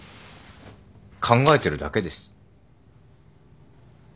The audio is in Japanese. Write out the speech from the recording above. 考えてるだけです。